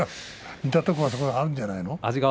似たところがあるんじゃないの？